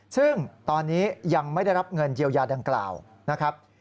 ซึ่งตอนนี้ยังไม่ได้รับเงินเยียวยาดังกล่าวนะครับ